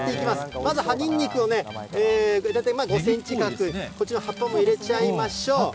まず葉ニンニクを大体５センチ、こっちの葉っぱも入れちゃいましょう。